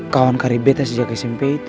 kawan kari bete sejak smp itu